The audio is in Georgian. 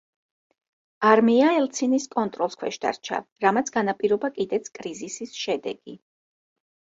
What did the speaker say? არმია ელცინის კონტროლს ქვეშ დარჩა, რამაც განაპირობა კიდეც კრიზისის შედეგი.